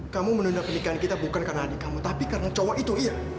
kamu menunda pernikahan kita bukan karena adik kamu tapi karena cowok itu iya